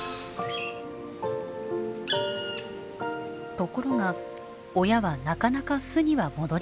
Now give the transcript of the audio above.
ところが親はなかなか巣には戻りません。